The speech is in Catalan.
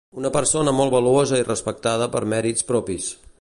Una persona molt valuosa i respectada per mèrits propis.